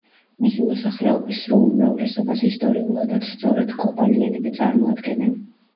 მისი მოსახლეობის სრულ უმრავლესობას ისტორიულადაც სწორედ კოპალიანები წარმოადგენენ.